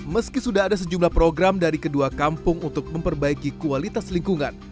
meski sudah ada sejumlah program dari kedua kampung untuk memperbaiki kualitas lingkungan